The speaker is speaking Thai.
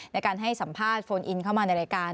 ในการให้สัมภาษณ์โฟนอินเข้ามาในรายการ